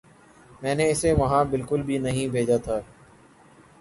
میں نے اسے وہاں بالکل بھی نہیں بھیجا تھا